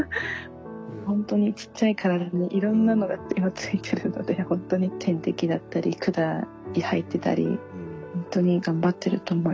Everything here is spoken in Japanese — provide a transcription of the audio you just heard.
ほんとにちっちゃい体にいろんなのが今ついてるのでほんとに点滴だったり管入ってたりほんとに頑張ってると思います今。